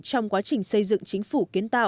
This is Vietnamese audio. trong quá trình xây dựng chính phủ kiến tạo